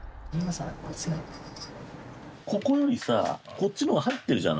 ここよりさこっちの方が入ってるじゃない。